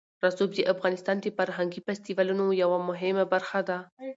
رسوب د افغانستان د فرهنګي فستیوالونو یوه مهمه برخه ده.